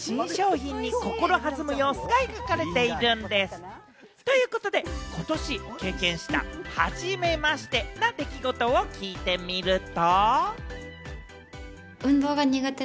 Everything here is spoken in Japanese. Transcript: ＣＭでは浜辺さんが初めて出合う新商品に心を弾む様子が描かれているんでぃす。ということでことし経験した、はじめしてな出来事を聞いてみると。